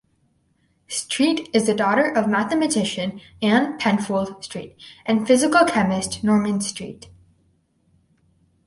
Street is the daughter of mathematician Anne Penfold Street and physical chemist Norman Street.